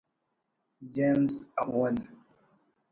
جیمز اول